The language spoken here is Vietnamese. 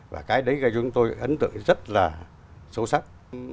và cái đấy cho chúng tôi ấn tượng rất là sâu sắc